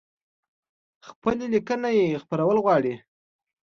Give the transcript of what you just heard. خپلي لیکنۍ خپرول غواړی؟